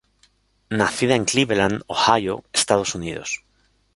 Nacida en Cleveland, Ohio, Estados Unidos.